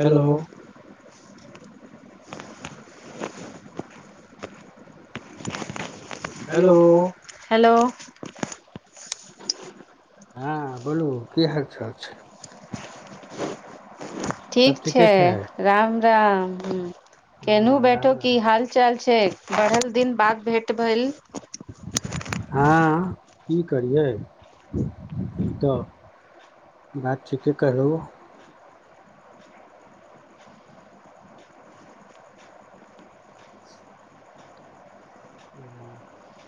hello hello हँ बोलू कि हालचाल छै सब ठीक छै ठीके राम राम केनहु हँ राम बैठो की राम हाल चाल छै बढ़ल दिन बाद भेंट भेल [inaudible] हँ की करियै तऽ बात ठिके कहलु ह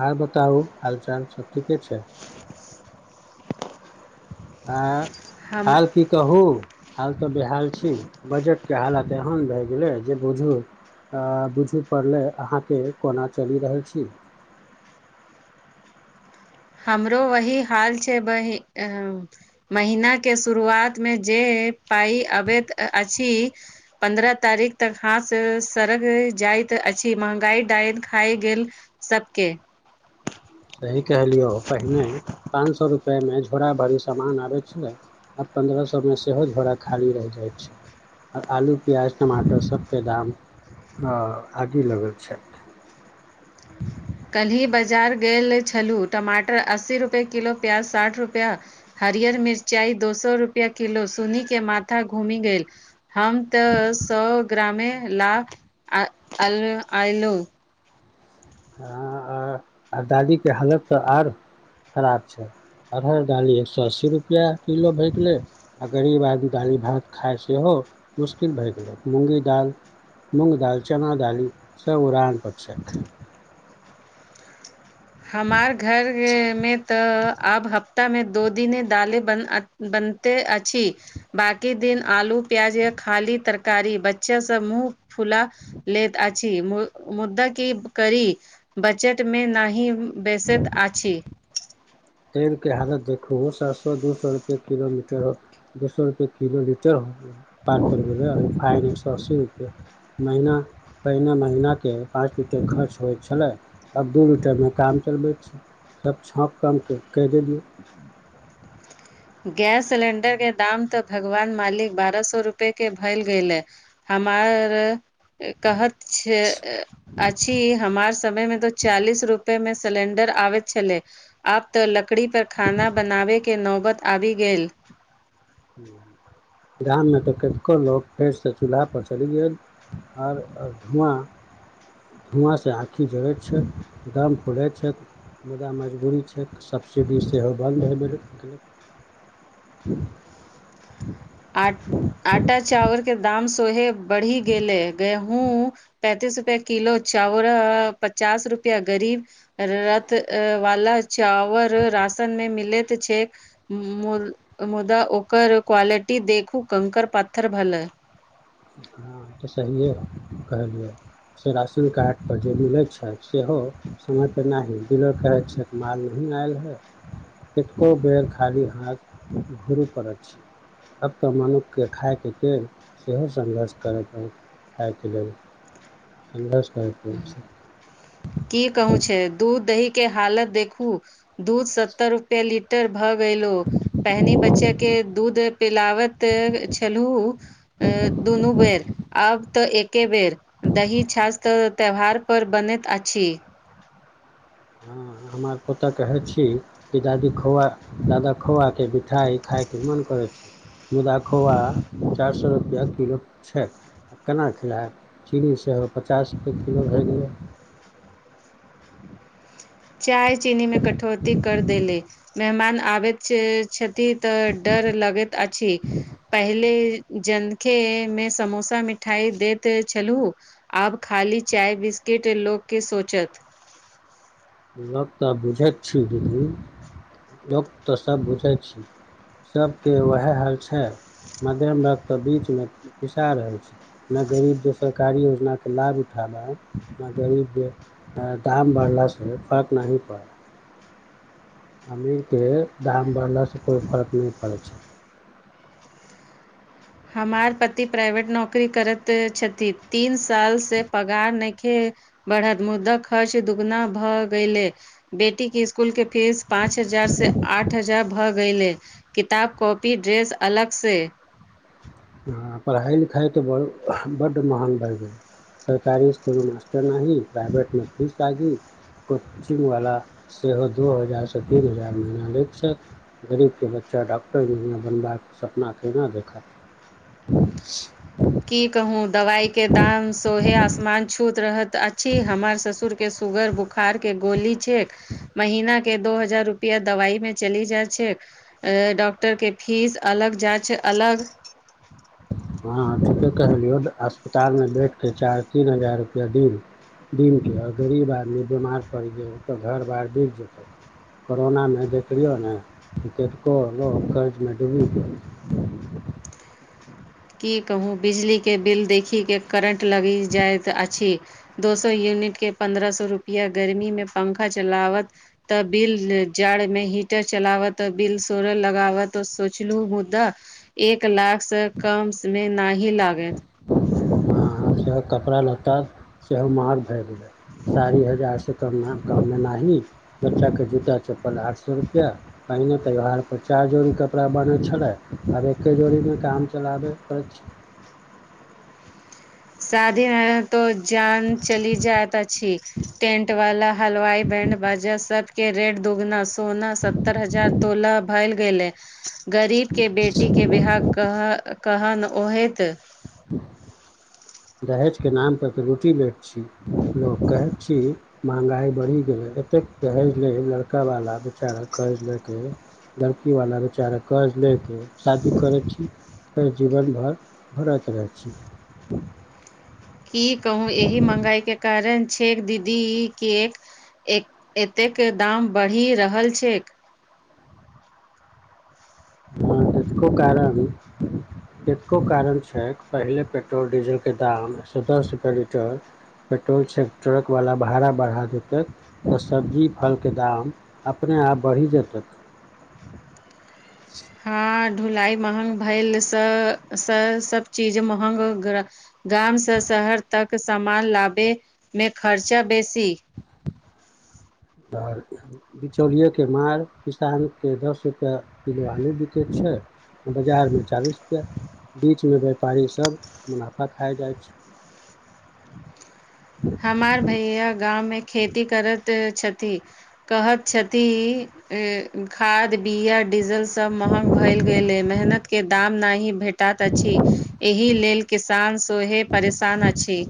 ह बताबू हालचाल सबठीके छै आँ हम हाल की कहू हाल तऽ बेहाल छी बजटके हालत एहन भए गेलै जे बुझू आ बुझू पड़लै अहाँके कोना चलि रहल छी [inaudible] हमरो वही हाल छै बहि महिना के शुरुआत मे जे पाई अबैत अछि पन्द्रह तारीख तक हाथ सड़ग जाइत अछि महगाई डाायन खाए गेल सभके सही कहलियौ पहिने पाँच सए रुपैआमे झोरा भरी सामान आबैत छलै आब पन्द्रह सएमे सेहो झोड़ा खाली रहि जाइत छै आलू प्याज टमाटर सभके दाम आगे लगल छै ह काल्हि बाजार गेल छलहुँ टमाटर अस्सी रुपैए किलो प्याज साठि रुपैआ ह हरियर मिरचाई दो सए रुपआ किलो सुन्नी के माथा घूमि गेल हम तऽ सए ग्रमे लाभ आल आयलौ ह आ दादीे के हालत तऽ आर खराब छै अरहर दाली एक सए अस्सी रुपआ किलो भए गेलै आ गरीब आदमी दाली भात खाय सेहो मुश्किल भए गेल मुँगी दाल मुंग दालचना दाली स उराान प्षक हमार घर मे तऽ अब हप ताह मे दो दिने दाले बनते अछि बाकी दिन आलू प्याज एक खाली तरकारी बच्चा सब मुँह फुला लैत अछि मुद्दा कि करी बजट मे नाहि बेसैत आछी तेलके हालत देखो सात सए दू सए रुपए किलोमीटर हो दू सए रुपए किलो लीटर हो पार कर गेलै फाइन एक सए अस्सी रुपए महिना पहिने महिने पाँच लीटर खर्च होइ छलै अब दू लीटरमे काम चलबै छी सब छाँ कम कहि दे दियै गैस सिलेंडर के दाम तऽ भगवान मालिक बारह सए रूपए के भैल गेलए मार कहत छै अछि हमार समय मे तो चालीस रुपए मे सिलेंडर आबैत छलै आब तऽ लकड़ी पर खाना बनाबे के नौबत आबि गेल [inaudible] गाममे तऽ कतको लोक फेरसँ चूल्हा पर चलि गेल आओर धुआँ धुआँ सँ आँखि जोड़ै छै दम फुलैत छै मुदा मजबूरी छै सब्सिडी सेहो बन्द होय गेलक आ आटा चाबल दाम सोहे बढ़ि गेलै गेहूँ पैंतीस रुपए किलो चावरा आ पचास रुपैआ गरीब रथ वला चॉवर राशन मे मिलैत त च देख मुदा ओ कर क्या टी देखू कंकड़ पथर भाल हँ तऽ सहिए कहलियौ से राशन कार्ड पर जे मिलैत छै सेहो समय पे नहि डीलर कहैत छथि माल नी आयल है कितको बेर खाली हाथ घुर पर आब तऽ मनुक के खायके त सेहो संघर्ष करै पड़त खाइ के लेल सघर्ष की कहू छै दूध दही के हालत देखू दूध सत्तर रुपए लीटर भऽ गेलो पहिनी बच्चे के दूध पिला बैत छलू दुनू बेर आब त ए एके बेर दही छाछ त त्यौहार पर बनैत अछि हँ हमर पोता कहै छी कि दादी खोआ दादा खोआके मिठाइ खायके मोन करै छै दूध आ खोआ चार सए रुपआ किलो छै आ केना खिलायब चीनी सेहो पचास रुपैए किलो भए गेलै [inaudible] चाय चीनी में कटौती कर देले मेहमान आबैत छै छ इ तऽ डर लगैत अछि पहिले जनखे मे समोसा मिठाई देैत छलहु आब खाली चाय बिस इ त लोकके सोचत लोक तऽ बुझैत छी दीदी लोक तऽ सब बुझैत छी सभके उएह हाल छै मध्यम वर्ग तऽ बीच मे पिसा रहल छै ने गरीब जे सरकारी योजना के लाभ उठा एहि गरीब के दाम बढ़ला स फर्क नहि पड़ा अमीर के दाम बढ़ला सँ कोइ फर्क नहि पड़ै छै हमार पति प्राइवेट नौकरी करैत छथि तीन साल से पगार नहि खे बढ़त मुद्दा खर्च दुगुना भऽ गेलै बेटी के स्कूल के फीस पाँच हजार हजार से आठ हजार भ गयले किताब कॉपी ड्रेस अलग से आ पढ़ाइ लिखाइ तऽ ब बड्ड महग भए गेलै सरकारी स्कूल मे मासटर नहि प्राइवेट मे फीस लागी कोचिंग बाला सेहो दू हजार स तीन हजार महिना लैछै गरीब के बच्चा डॉक्टर इंजीनियर बनबाक सपना केना देखत [inaudible] की कहू दवाई के दाम सोहे आसमान छूत रहैत अछि हमर ससुर के सुगर बुखार के गोली छैेक महिना के दो हजार रुपएआ दवाई मे चली जाइत छैक ए डॉक्टर के फीस अलग जाइ छै अलग ह कहलिय अस्पताल मे बैड के चार तीन हजार रुपआ दी दिनके आओर गरीब आदमी बिमार पड़ि गेल तऽ घर बार विक जेतउक कोरोना मे देख लियौ ने केतको लोक कर्जमे डूबी गेल [inaudible] की कहू बिजलीके बिल देखिके करन्ट लागि जाइत अछि दो सौ यूनिट के पन्द्रह सौ रुपैआ गर्मी मे पंखा चलावत त बिल जाड़मे हीटर च चलाबत बिल सोड़ल लगाबत सोचलू मुदा एक लाखसँ कमस मे न ही लागैत हँ सेहो कपड़ा लत्ता सेहो माहँग भए गेलै साारी हजारसँ कम कम मे नाही बच्चा के जूता चप्पल आठ सो रुपआ पहिने त्योहार पर चार जोड़ी कपड़ा बनै छल आब एके जोड़ी मे काम चलाबे परै छै [inaudible] साधी है तो जान चली जैत अछी टेंट वाला हलुवाई बैं्ड बाजा सबके रेट दगुना सोना सत्तर हजार तोलाह भैल गेलै गरीब के बेटी के बिवाह कह कहन ओहैत ह [unintelligible] दहेज के नाम पर त रुटी लेट छी लोक कहैत छी महँगाई बढ़ि गेलै एते कहेले लड़का वाला बेचारा कहैलै की लड़की वाला बेचारा कहै लैके शादी करै छी फेर जीवन भर भरैत रहै छी की कहू एहि महगाई के कारण छैेक दीदी केक ए एतेक दाम बढ़ि रहल छै हँ त खूब कारर अभ [unintelligible] केतको कारण छैक पहिले पेट्रोल डीजलके दाम सतरह रूपय लीटर पेट्रोल सेक्ट्रक वाला भाड़ा बढ़ा देतै तऽ सब्जी फल के दाम अपने आब बढ़ी जेतक [inaudible] हँ धुलाई महंग भैल स सभ चीज महंग गामसँ सभ शहर तक सामान लाबे मे खर्चा बेसी ओर बिचौलिएके मार किसानके दस रुपैआ किलो आलू बिकै छै बजारमे चालीस रुपैआ बीचमे व्यापारीसभ मुनाफा खाए जाइ छै हमार भैया गाँव मे खेती करत छथि कहैत छथि खाद बिया डीजल सभ महंग भएल गेले मेहनत के दाम नहि भेटात अछि एहि लेल किसान सोहे परेशान अछि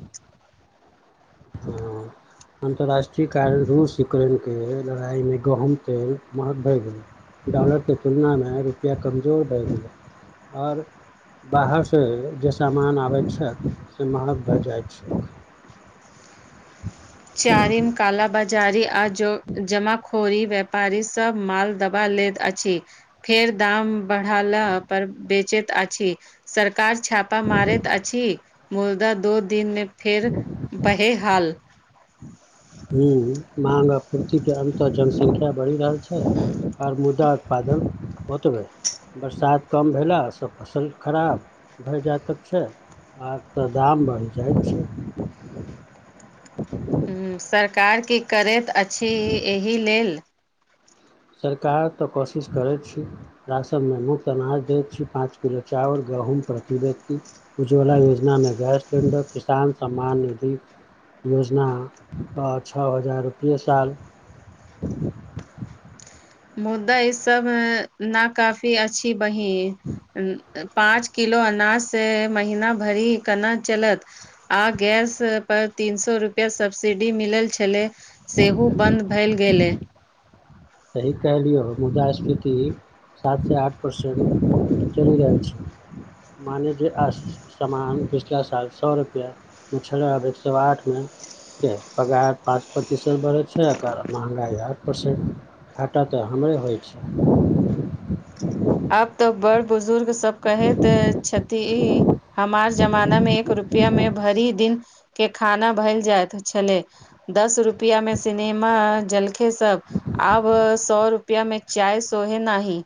अन्तर्राष्ट्रीय कारण रूस यूक्रेनके लड़ाइमे गहूँम तेल महंग भएि गेलै ॉलर के तुलना मे रुपआ कमजोर भै गेलै और बाहरसँ जे सामान आबैत छै से महंग भए जाइत छै [inaudible] चारिम काला बाजारी आ जो जमा ख खोरी व्यापारी सब माल दबा लेत अछि फेर दाम बढ़ाला पर बेचेत अछि सरकार छापा मारैत अछि मुदा दो दिन मे फेर बहे हाल ह महंगा पूर्ति के अन्तः जनसंख्या बढ़ि रहल छै छै और मुदा उत्पादन बतबै बरसात कम भेलासँ फसल खराब भरि जा तक छै आ तऽ दाम बढ़ि जाइ छै [inaudible] ह्म सरकार की करैत अछि एहि लेल सरकार तऽ कोशिश करैत छी राशनमे मुफ्त अनाज दैत छी पाँच किलो चाउर ग गहुम प्रति व्यक्ति उज्ज्वला योजनामे गैस सिलेडर किसान सम्मान निधि योजनापर छओ हजार रुपैए साल [inaudible] मुद्दा ई सब न काफी अच्छी बहि पाँच किलो अनाजसँ महीना भरि केना चलत आ गैस पर तीन सए रुपैआ सब्सिडी मिलल छलै सेहो बन्द भेल गेलै सही कहलियौ मुदा स्मृति सात से आठ परर्सेंट चल रहल छै मान जे आ सामान पिछिला साल सए रुपैआमे छड़ आब एक सए आठमे पगार पाँच प्रतिशत भरे छै महगाइ आठ परसेंट घाटा तऽ हमरे होइ छै अब तऽ बड़ बुजुर्ग सब कहे द छथि हमार जमाना में एक रुपैआ रप मे भरि दिन के खाना भल जाइत छलै दस रुपैआमे सिनेमा जलखे सब आब सौ रुपआ मे चाय सोहे न ही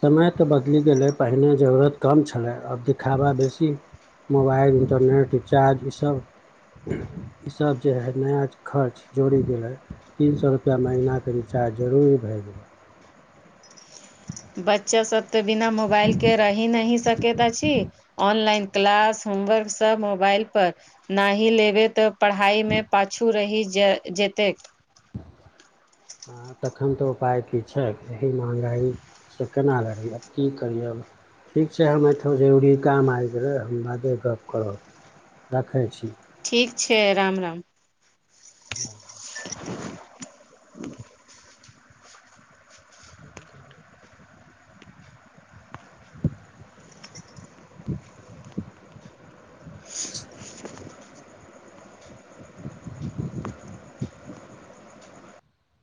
समय तऽ बदलि गेलै पहिने जरूरत कम छलै आब देखावा बेसी मोबाइल इन्टरनेट रिचार्ज इसभ इसभ जे हइ नया खर्च जोड़ि गेल हइ तीन सए रुपैआ महीनाके रिचार्ज जरूरी भए गेलै बच्चा सब तऽ बिना मोबाइल के रहि नही सकैत अछि ऑनलाइन क्लास होमवर्क सब मोबाइलपर न ही लेबै तऽ पढ़ाइमे पाछू रहि जेतै एखन तऽ उपाय की छै एहि महँगाइसँ केना लड़ैए आब की करियए ठीक छै हम अठहु जरूरी काम आबि गेलै हम बादे गप्प करब रखै छी ठीक छै राम राम [inaudible] [inaudible] त [inaudible] [inaudible]